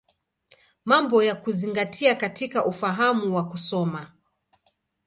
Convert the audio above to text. Mambo ya Kuzingatia katika Ufahamu wa Kusoma.